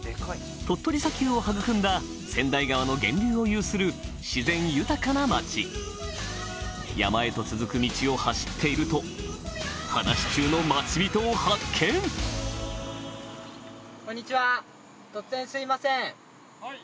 鳥取砂丘を育んだ千代川の源流を有する自然豊かな町山へと続く道を走っていると話し中のハハハ。